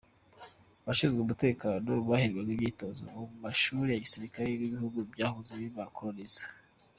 Abashinzwe umutekano baherwaga imyitozo mu mu mashuri ya gisirikare y’ibihugu byahoze bibakoloniza.